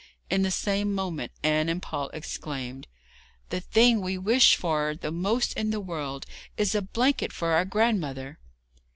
In the same moment Anne and Paul exclaimed: 'The thing we wish for the most in the world is a blanket for our grandmother.'